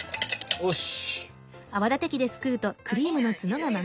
よし！